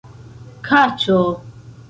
kaĉo